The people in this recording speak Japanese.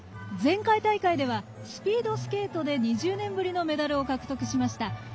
前回大会ではスピードスケートで２０年ぶりのメダルを獲得しました。